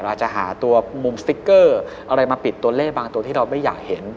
อาจจะหาตัวมุมสติ๊กเกอร์อะไรมาปิดตัวเลขบางตัวที่เราไม่อยากเห็น